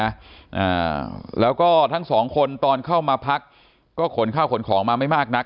อ่าแล้วก็ทั้งสองคนตอนเข้ามาพักก็ขนข้าวขนของมาไม่มากนัก